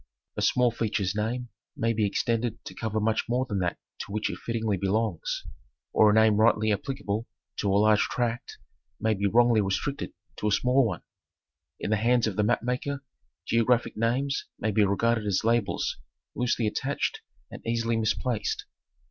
A small feature's name may be extended to cover much more than that to which it fittingly belongs; or a name rightly . applicable to a large tract may be wrongly restricted to a small one. In the hands of the map maker geographic names may be regarded as labels loosely attached and easily misplaced.